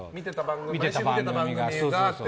見てた番組がって。